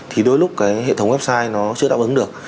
thì đôi lúc cái hệ thống website nó chưa đáp ứng được